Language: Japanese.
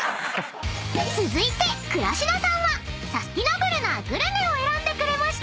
［続いて倉科さんはサスティナブルなグルメを選んでくれました。